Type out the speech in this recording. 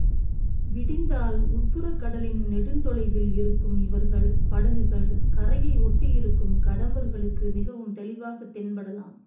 விடிந்தால் உட்புறக் கடலின் நெடுந்தொலைவில் இருக்கும் இவர்கள் படகுகள் கரையை ஒட்டி இருக்கும் கடம்பர்களுக்கு மிகவும் தெளிவாகத் தென்படலாம்.